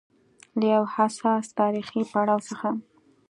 له يو حساس تاریخي پړاو څخه